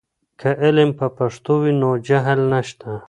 که علم په پښتو وي، نو جهل نشته.